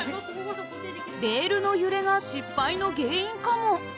レールの揺れが失敗の原因かも。